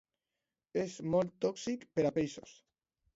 És molt tòxic per a peixos.